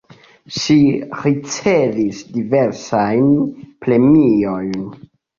Ŝi ricevis diversajn premiojn.